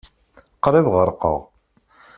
Qrib ɣerqeɣ.